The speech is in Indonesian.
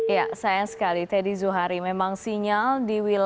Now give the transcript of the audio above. ya sayang sekali teddy zuhari memang sinyal di wilayah